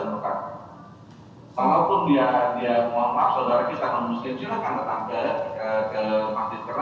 hai maupun dia dia mau maksudnya kita memusikkan silakan tetap ke ke masjid